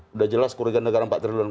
sudah jelas kerugian negara empat triliun